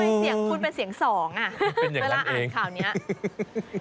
เสียงคุณเป็นเสียงสองอ่ะเวลาอ่านข่าวนี้